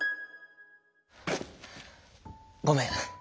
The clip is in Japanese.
「ごめん。